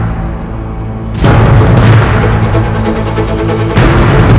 dan raden kiansanta